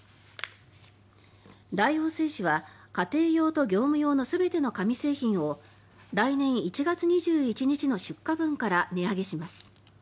大王製紙は家庭用と業務用の全ての紙製品を来年１月２１日の出荷分から値上げします。